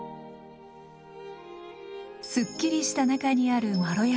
すっきりした中にあるまろやかさ。